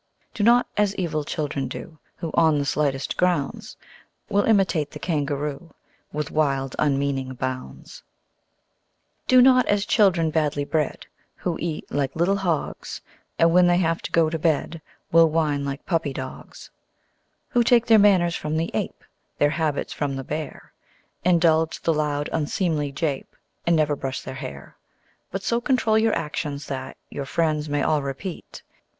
Do not as evil children do, Who on the slightest grounds Will imitate the Kangaroo, With wild unmeaning bounds: Do not as children badly bred, Who eat like little Hogs, And when they have to go to bed Will whine like Puppy Dogs: Who take their manners from the Ape, Their habits from the Bear, Indulge the loud unseemly jape, And never brush their hair. But so control your actions that Your friends may all repeat.